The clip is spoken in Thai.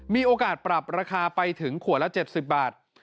มีโอกาสปรับราคาไปถึงขวดละ๗๐บาท